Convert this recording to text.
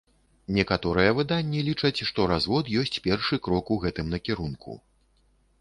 Некаторыя выданні лічаць, што развод ёсць першы крок у гэтым накірунку.